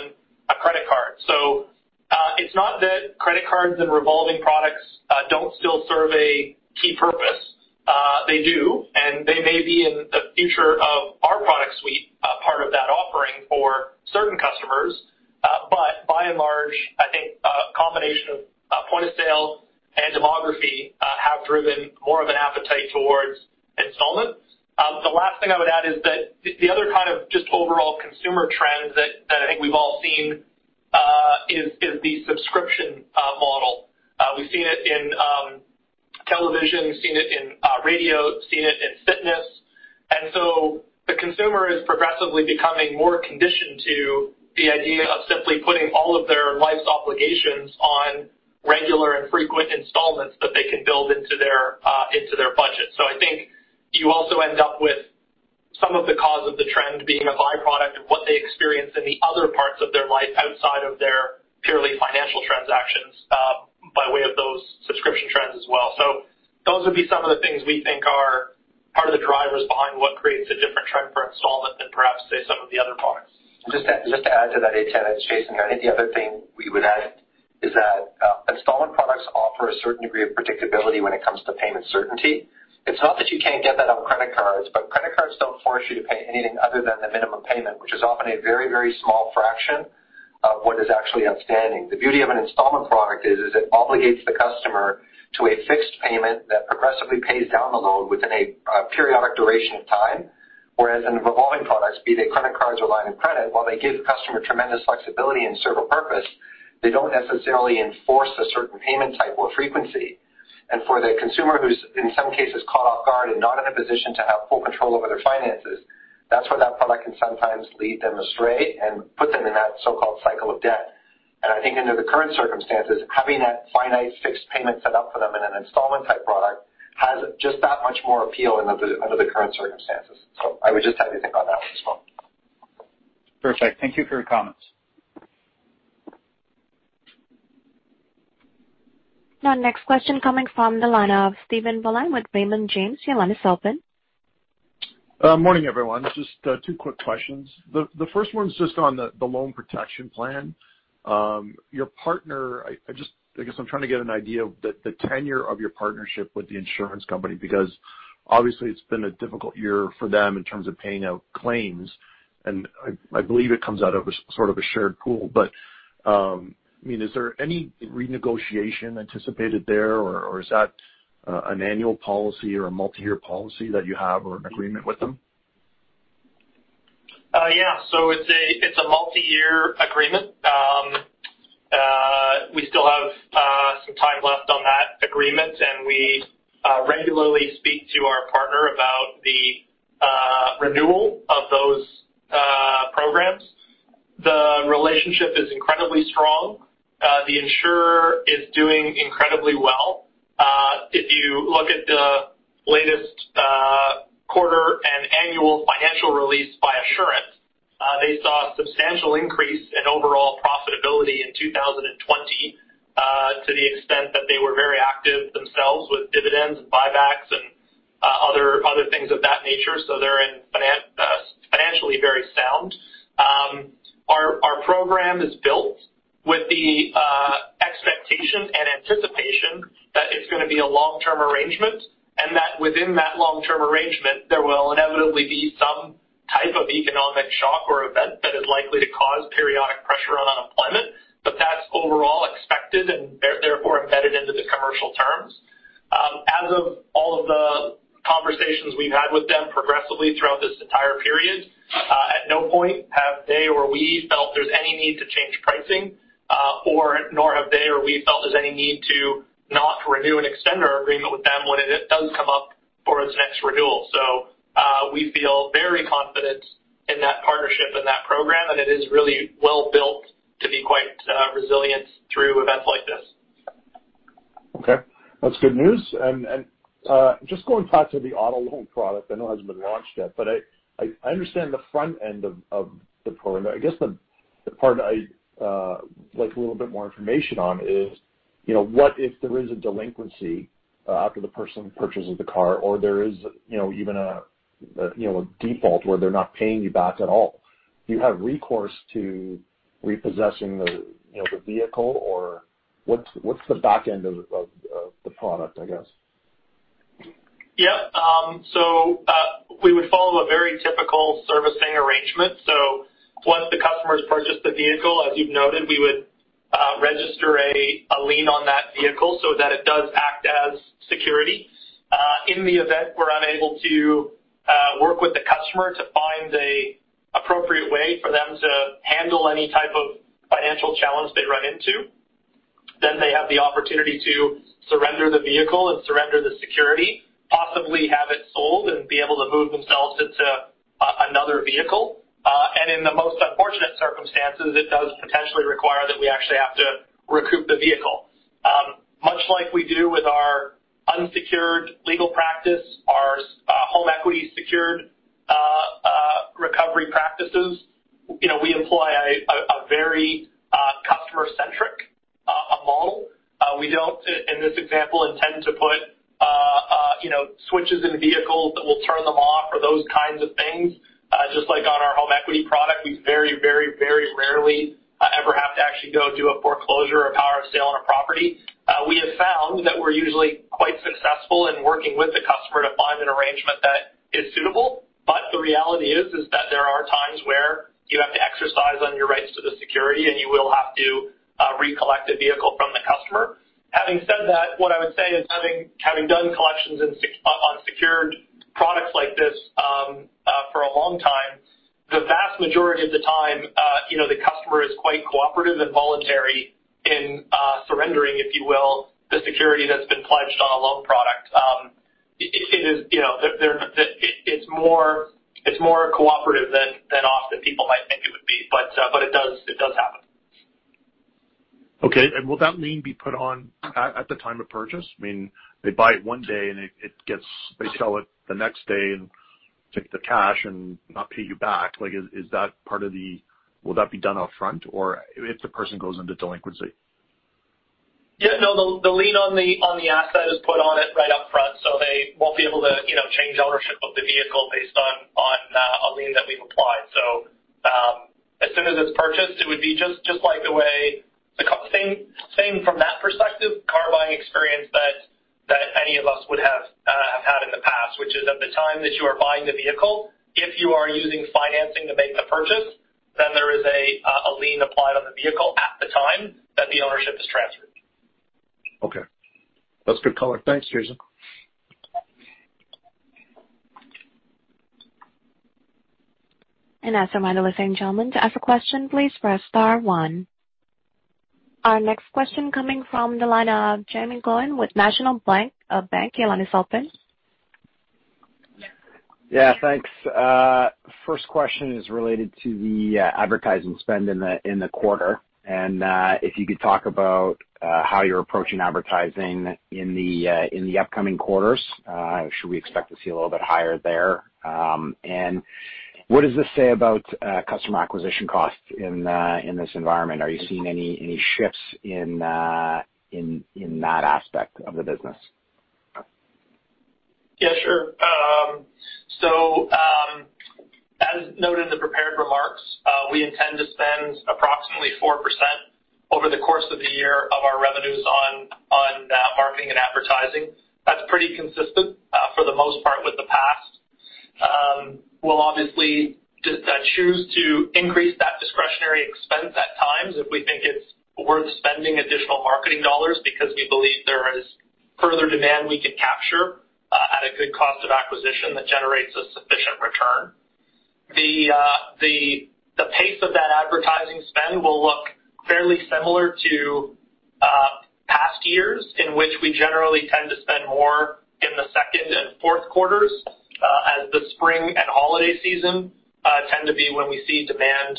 a credit card. It's not that credit cards and revolving products don't still serve a key purpose. They do, and they may be in the future of our product suite a part of that offering for certain customers. By and large, I think a combination of point-of-sale and demography have driven more of an appetite towards installments. The last thing I would add is that the other kind of just overall consumer trend that I think we've all seen is the subscription model. We've seen it in television, seen it in radio, seen it in fitness. The consumer is progressively becoming more conditioned to the idea of simply putting all of their life's obligations on regular and frequent installments that they can build into their budget. I think you also end up with some of the cause of the trend being a byproduct of what they experience in the other parts of their life outside of their purely financial transactions by way of those subscription trends as well. Those would be some of the things we think are part of the drivers behind what creates a different trend for installment than perhaps, say, some of the other products. Just to add to that, Étienne and Jason, I think the other thing we would add is that. Offer a certain degree of predictability when it comes to payment certainty. It's not that you can't get that on credit cards, but credit cards don't force you to pay anything other than the minimum payment, which is often a very small fraction of what is actually outstanding. The beauty of an installment product is it obligates the customer to a fixed payment that progressively pays down the loan within a periodic duration of time. Whereas in revolving products, be they credit cards or line of credit, while they give the customer tremendous flexibility and serve a purpose, they don't necessarily enforce a certain payment type or frequency. For the consumer who's, in some cases, caught off guard and not in a position to have full control over their finances, that's where that product can sometimes lead them astray and put them in that so-called cycle of debt. I think under the current circumstances, having that finite fixed payment set up for them in an installment-type product has just that much more appeal under the current circumstances. I would just have you think on that one as well. Perfect. Thank you for your comments. Now next question coming from the line of Stephen Boland with Raymond James. Your line is open. Morning, everyone. Just two quick questions. The first one's just on the loan protection plan. Your partner I guess I'm trying to get an idea of the tenure of your partnership with the insurance company, because obviously it's been a difficult year for them in terms of paying out claims, and I believe it comes out of sort of a shared pool. Is there any renegotiation anticipated there, or is that an annual policy or a multi-year policy that you have or an agreement with them? Yeah. It's a multi-year agreement. We still have some time left on that agreement, and we regularly speak to our partner about the renewal of those programs. The relationship is incredibly strong. The insurer is doing incredibly well. If you look at the latest quarter and annual financial release by Assurant, they saw a substantial increase in overall profitability in 2020 to the extent that they were very active themselves with dividends and buybacks and other things of that nature. They're financially very sound. Our program is built with the expectation and anticipation that it's going to be a long-term arrangement and that within that long-term arrangement, there will inevitably be some type of economic shock or event that is likely to cause periodic pressure on unemployment. That's overall expected and therefore embedded into the commercial terms. As of all of the conversations we've had with them progressively throughout this entire period, at no point have they or we felt there's any need to change pricing nor have they or we felt there's any need to not renew and extend our agreement with them when it does come up for its next renewal. We feel very confident in that partnership and that program, and it is really well-built to be quite resilient through events like this. Okay. That's good news. Just going back to the auto loan product. I know it hasn't been launched yet. I understand the front end of the program. I guess the part I'd like a little bit more information on is what if there is a delinquency after the person purchases the car or there is even a default where they're not paying you back at all? Do you have recourse to repossessing the vehicle or what's the back end of the product, I guess? Yeah. We would follow a very typical servicing arrangement. Once the customer has purchased the vehicle, as you've noted, we would register a lien on that vehicle so that it does act as security. In the event we're unable to work with the customer to find an appropriate way for them to handle any type of financial challenge they run into, then they have the opportunity to surrender the vehicle and surrender the security, possibly have it sold and be able to move themselves into another vehicle. In the most unfortunate circumstances, it does potentially require that we actually have to recoup the vehicle. Much like we do with our unsecured legal practice, our home equity secured recovery practices, we employ a very customer-centric model. We don't, in this example, intend to put switches in vehicles that will turn them off or those kinds of things. Just like on our home equity product, we very rarely ever have to actually go do a foreclosure or power of sale on a property. We have found that we're usually quite successful in working with the customer to find an arrangement that is suitable. The reality is that there are times where you have to exercise on your rights to the security, and you will have to recollect a vehicle from the customer. Having said that, what I would say is, having done collections on secured products like this for a long time, the vast majority of the time the customer is quite cooperative and voluntary in surrendering, if you will, the security that's been pledged on a loan product. It's more cooperative than often people might think it would be, but it does happen. Okay. Will that lien be put on at the time of purchase? I mean, they buy it one day, and they sell it the next day and take the cash and not pay you back. Will that be done upfront or if the person goes into delinquency? Yeah, no, the lien on the asset is put on it right up front. They won't be able to change ownership of the vehicle based on a lien that we've applied. As it's purchased, it would be just like the way the same from that perspective car buying experience that any of us would have had in the past, which is at the time that you are buying the vehicle, if you are using financing to make the purchase, then there is a lien applied on the vehicle at the time that the ownership is transferred. Okay. That's a good call. Thanks, Jason. As a reminder, listening gentlemen, to ask a question, please press star one. Our next question coming from the line of Jaeme Gloyn with National Bank. Your line is open. Yeah. Thanks. First question is related to the advertising spend in the quarter. If you could talk about how you're approaching advertising in the upcoming quarters. Should we expect to see a little bit higher there? What does this say about customer acquisition costs in this environment? Are you seeing any shifts in that aspect of the business? Yeah, sure. As noted in the prepared remarks, we intend to spend approximately 4% over the course of the year of our revenues on marketing and advertising. That's pretty consistent for the most part with the past. We'll obviously choose to increase that discretionary expense at times if we think it's worth spending additional marketing dollars because we believe there is further demand we can capture at a good cost of acquisition that generates a sufficient return. The pace of that advertising spend will look fairly similar to past years in which we generally tend to spend more in the second and fourth quarters as the spring and holiday season tend to be when we see demand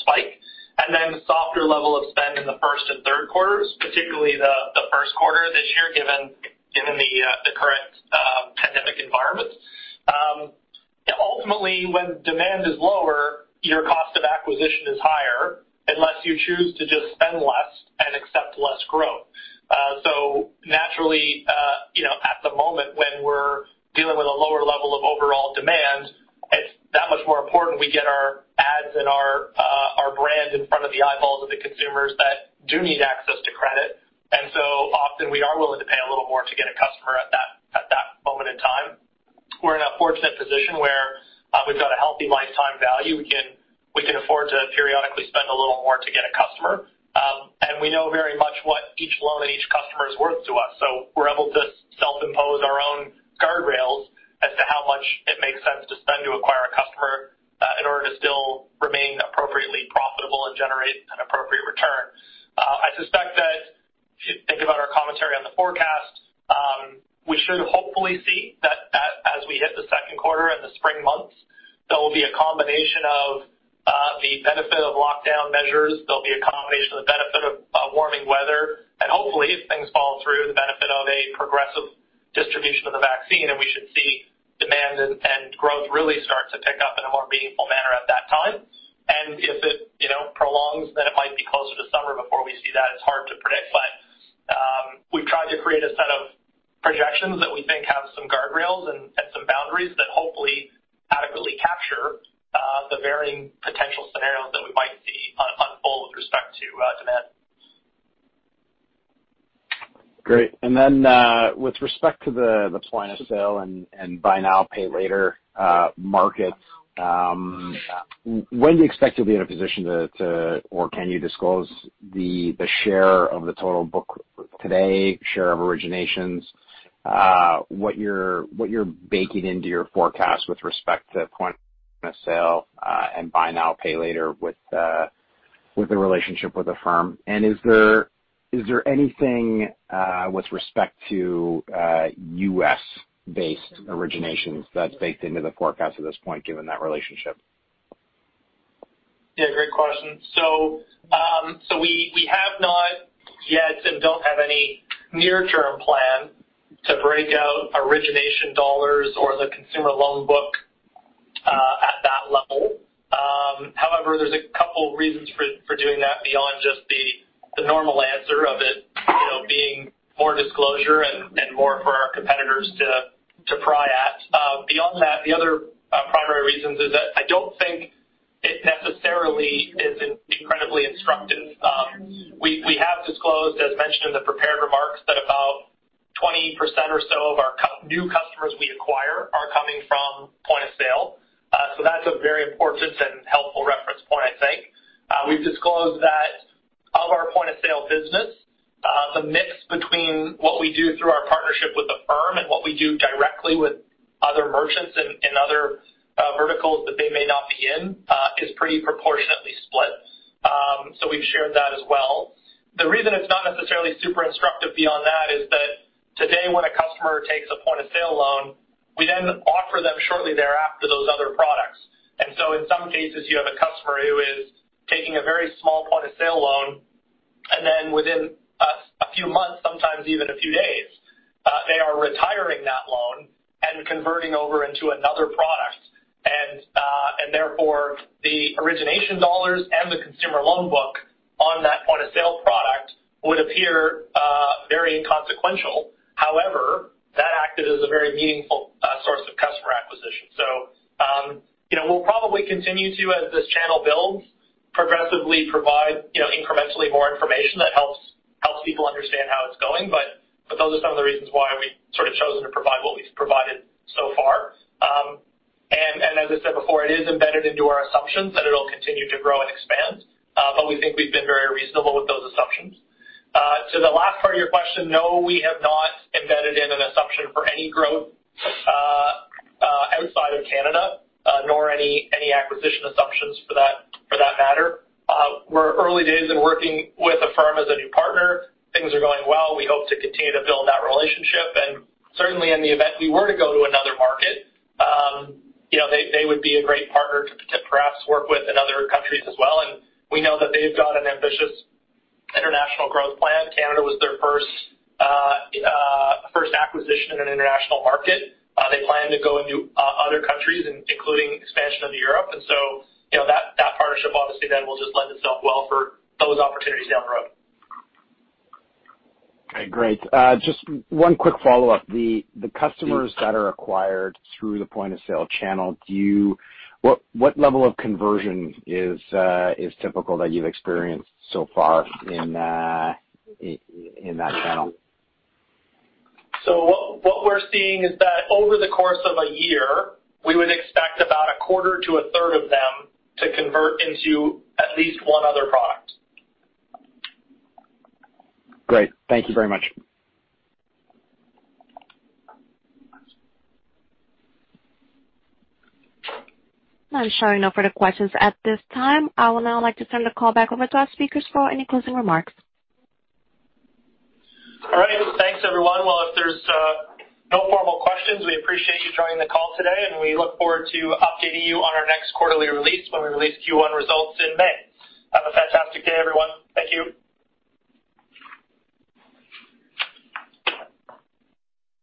spike. Softer level of spend in the first and third quarters, particularly the first quarter this year given the current pandemic environment. Ultimately, when demand is lower, your cost of acquisition is higher unless you choose to just spend less and accept less growth. Naturally, at the moment when we're dealing with a lower level of overall demand, it's that much more important we get our ads and our brand in front of the eyeballs of the consumers that do need access to credit. Often we are willing to pay a little more to get a customer at that moment in time. We're in a fortunate position where we've got a healthy lifetime value. We can afford to periodically spend a little more to get a customer. We know very much what each loan and each customer is worth to us. We're able to self-impose our own guardrails as to how much it makes sense to spend to acquire a customer in order to still remain appropriately profitable and generate an appropriate return. I suspect that if you think about our commentary on the forecast, we should hopefully see that as we hit the second quarter and the spring months, there will be a combination of the benefit of lockdown measures. There'll be a combination of the benefit of warming weather and hopefully if things fall through the benefit of a progressive distribution of the vaccine and we should see demand and growth really start to pick up in a more meaningful manner at that time. If it prolongs, then it might be closer to summer before we see that. It's hard to predict. We've tried to create a set of projections that we think have some guardrails and some boundaries that hopefully adequately capture the varying potential scenarios that we might see unfold with respect to demand. Great. Then with respect to the point-of-sale and buy now pay later market, when do you expect you'll be in a position or can you disclose the share of the total book today, share of originations, what you're baking into your forecast with respect to point-of-sale and buy now pay later with the relationship with Affirm. Is there anything with respect to U.S.-based originations that's baked into the forecast at this point given that relationship? Yeah. Great question. We have not yet and don't have any near-term plan to break out origination dollars or the consumer loan book at that level. However, there's a couple reasons for doing that beyond just the normal answer of it being more disclosure and more for our competitors to pry at. Beyond that, the other primary reasons is that I don't think it necessarily is incredibly instructive. We have disclosed, as mentioned in the prepared remarks, that about 20% or so of our new customers we acquire are coming from point of sale. That's a very important and helpful reference point I think. We've disclosed that of our point-of-sale business, the mix between what we do through our partnership with Affirm and what we do directly with other merchants and other verticals that they may not be in is pretty proportionately split. We've shared that as well. The reason it's not necessarily super instructive beyond that is that today when a customer takes a point-of-sale loan, we then offer them shortly thereafter those other products. In some cases you have a customer who is taking a very small point-of-sale loan and then within a few months, sometimes even a few days, they are retiring that loan and converting over into another product. The origination dollars and the consumer loan book on that point-of-sale product would appear very inconsequential. However, that acted as a very meaningful source of customer acquisition. We'll probably continue to, as this channel builds, progressively provide incrementally more information that helps people understand how it's going. Those are some of the reasons why we sort of chosen to provide what we've provided so far. As I said before, it is embedded into our assumptions that it'll continue to grow and expand, but we think we've been very reasonable with those assumptions. To the last part of your question, no, we have not embedded in an assumption for any growth outside of Canada, nor any acquisition assumptions for that matter. We're early days in working with Affirm as a new partner. Things are going well. We hope to continue to build that relationship, and certainly in the event we were to go to another market, they would be a great partner to perhaps work with in other countries as well, and we know that they've got an ambitious international growth plan. Canada was their first acquisition in an international market. They plan to go into other countries, including expansion into Europe. That partnership obviously then will just lend itself well for those opportunities down the road. Okay, great. Just one quick follow-up. The customers that are acquired through the point-of-sale channel, what level of conversion is typical that you've experienced so far in that channel? What we're seeing is that over the course of a year, we would expect about a quarter to a third of them to convert into at least one other product. Great. Thank you very much. I'm showing no further questions at this time. I would now like to turn the call back over to our speakers for any closing remarks. All right. Thanks, everyone. Well, if there's no formal questions, we appreciate you joining the call today, and we look forward to updating you on our next quarterly release when we release Q1 results in May. Have a fantastic day, everyone. Thank you.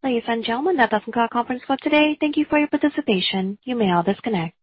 Ladies and gentlemen, that does conclude our conference call today. Thank you for your participation. You may all disconnect.